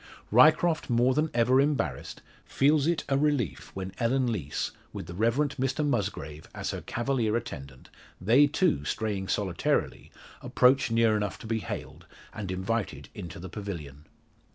Ryecroft more than ever embarrassed, feels it a relief when Ellen Lees, with the Rev Mr Musgrave as her cavalier attendant they, too, straying solitarily approach near enough to be hailed, and invited into the pavilion.